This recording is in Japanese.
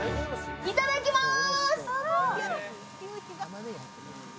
いただきまーす。